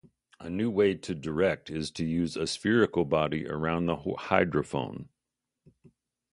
A new way to direct is to use a spherical body around the hydrophone.